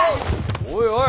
おいおい。